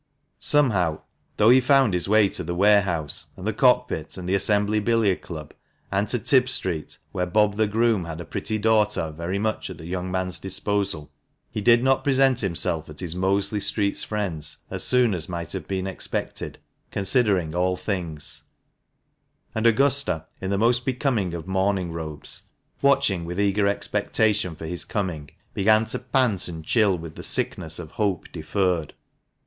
Somehow, though he found his way to the warehouse, and the Cockpit, and the Assembly Billiard Club, and to Tib Street, where Bob the groom had a pretty daughter very much at the young man's disposal, he did not present himself at his Mosley Street friend's as soon as might have been expected, considering all things ; and Augusta, in the most becoming of morning robes, watching with eager expectation for his coming, began to pant and chill with the sickness of hope deferred.